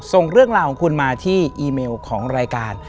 ส่งเรื่องราวของคุณมาที่อีเมลของรายการ